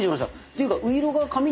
ていうか。